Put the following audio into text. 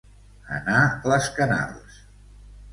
Anar les canals.